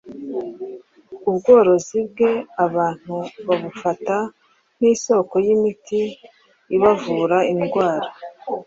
Ubworozi bwe abantu babufata nk’isoko y’imiti ibavura indwara